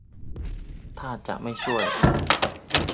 ท่าจะไม่ช่วย